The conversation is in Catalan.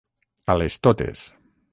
A les totes.